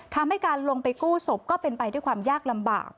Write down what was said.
ทำให้การลงไปกู้ศพก็เป็นไปด้วยความยากลำบาก